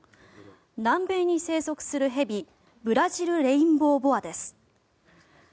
南米に生息する蛇ブラジルレインボーボアです。